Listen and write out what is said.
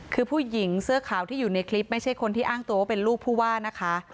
คือผู้หญิงเสื้อขาวที่อยู่ในคลิปไม่ใช่คนที่อ้างตัวว่าเป็นลูกผู้ว่านะคะ